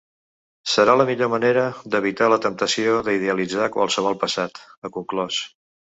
Serà la millor manera d’evitar la temptació d’idealitzar qualsevol passat, ha conclòs.